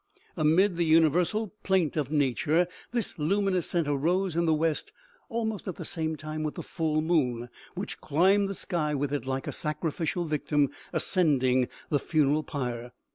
Amid the universal plaint of nature, this luminous center rose in the west almost at the same time with the full moon, which climbed the sky with it like a sacrificial victim ascending the funeral pyre.